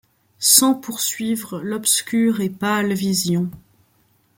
Sans poursuivre l’obscure et pâle vision